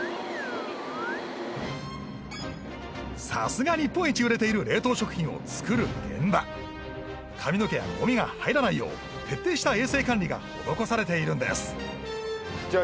さすが日本一売れている冷凍食品を作る現場髪の毛やゴミが入らないよう徹底した衛生管理が施されているんですじゃあ